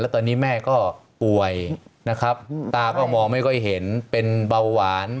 ตอนนี้แม่ก็ป่วยนะครับตาก็มองไม่ค่อยเห็นเป็นเบาหวาน